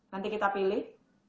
nanti kita pilih